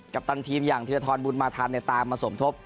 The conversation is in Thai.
ปตันทีมอย่างธีรทรบุญมาทันตามมาสมทบ